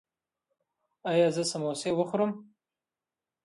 ایا زه سموسې وخورم؟